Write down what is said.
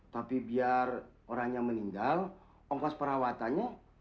tapi biar orang yang meninggal ongkos perawatannya